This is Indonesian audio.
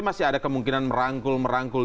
masih ada kemungkinan merangkul merangkul